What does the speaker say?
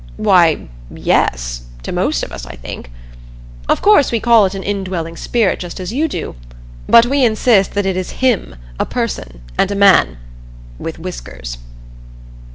"Why yes, to most of us, I think. Of course we call it an Indwelling Spirit just as you do, but we insist that it is Him, a Person, and a Man with whiskers."